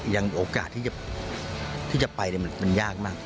โอกาสที่จะไปมันยากมาก